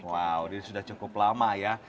wow ini sudah cukup lama ya